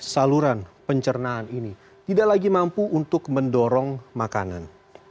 saluran pencernaan ini tidak lagi mampu untuk mendorong makanan